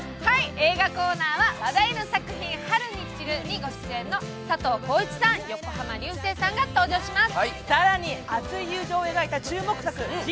映画コーナーは話題の作品「春に散る」にご出演の佐藤浩市さん、横浜流星さんが登場します。